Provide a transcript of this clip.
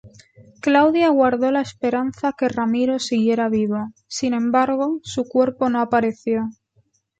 Claudia guardó la esperanza que Ramiro siguiera vivo, sin embargo, su cuerpo no apareció.